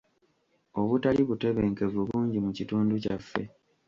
Obutali butebenkevu bungi mu kitundu kyaffe.